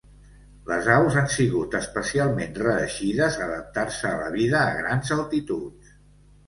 Les aus han sigut especialment reeixides a adaptar-se a la vida a grans altituds.